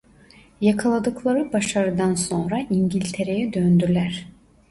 Yakaladıkları başarıdan sonra İngiltere'ye döndüler.